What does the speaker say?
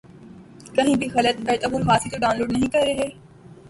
کہیں بھی غلط ارطغرل غازی تو ڈان لوڈ نہیں کر رہے